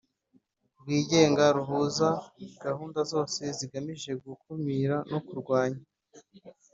Rwigenga ruhuza gahunda zose zigamije gukumira no kurwanya